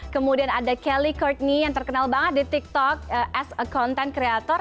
kemudian ada kelly courtney yang terkenal banget di tiktok as a content creator